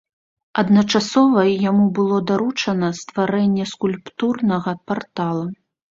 Адначасова яму было даручана стварэнне скульптурнага партала.